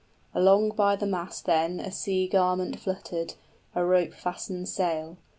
Along by the mast then a sea garment fluttered, A rope fastened sail.